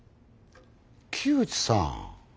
木内さん